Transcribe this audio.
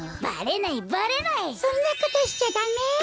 そんなことしちゃダメ！